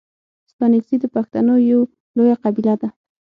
ستانگزي د پښتنو یو لويه قبیله ده.